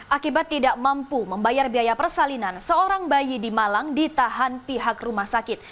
akibat tidak mampu membayar biaya persalinan seorang bayi di malang ditahan pihak rumah sakit